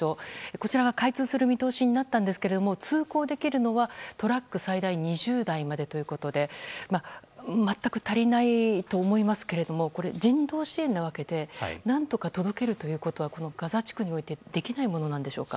こちらが開通する見通しになったんですが通行できるのはトラック最大２０台までということで全く足りないと思いますけれどもこれ、人道支援なわけで何とか届けるということはガザ地区においてできないものなんでしょうか。